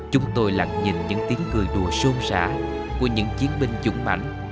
chúng tôi lặng nhìn những tiếng cười đùa xôn xã của những chiến binh dụng mảnh